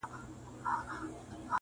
څنگه ټینگ به په خپل منځ کي عدالت کړو-